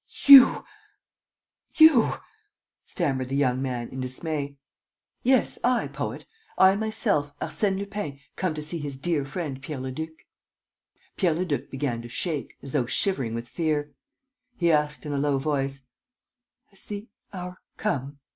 "You! ... You! ..." stammered the young man, in dismay. "Yes, I, poet, I myself, Arsène Lupin come to see his dear friend Pierre Leduc." Pierre Leduc began to shake, as though shivering with fever. He asked, in a low voice: "Has the hour come?"